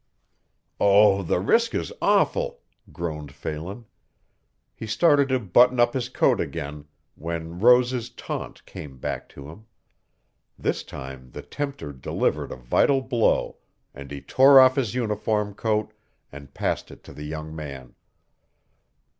"Oh, the risk is awful," groaned Phelan. He started to button up his coat again when Rose's taunt came back to him. This time the tempter delivered a vital blow and he tore off his uniform coat and passed it to the young man.